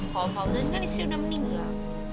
kalau om fauzan kan istri udah menimbul